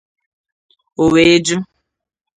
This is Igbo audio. o wee jụ